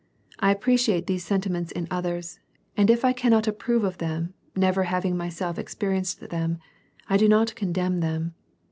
I appreciate these sen timents in others, and if I cannot approve of them (never hav ing myself experienced them), I do not condemn them.